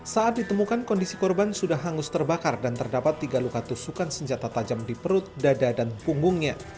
saat ditemukan kondisi korban sudah hangus terbakar dan terdapat tiga luka tusukan senjata tajam di perut dada dan punggungnya